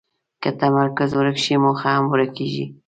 که تمرکز ورک شي، موخه هم ورکېږي.